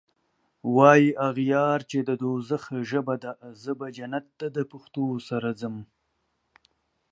واي اغیار چی د دوږخ ژبه ده زه به جنت ته دپښتو سره ځم